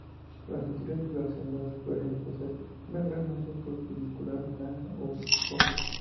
Las anteriores de las hembras suele poseer una gran mancha postdiscal naranja u ocre.